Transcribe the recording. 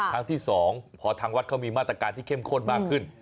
ครั้งที่๒พอทางวัดเขามีมาตรการที่เข้มข้นมากขึ้น